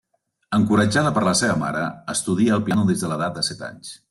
Encoratjada per la seva mare, estudia el piano des de l'edat de set anys.